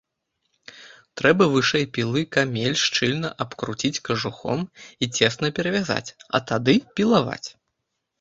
Трэба вышэй пілы камель шчыльна абкруціць кажухом і цесна перавязаць, а тады пілаваць.